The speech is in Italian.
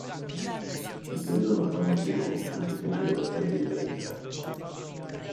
Il periodo normanno-svevo fu il più felice nella storia degli ebrei di Trani.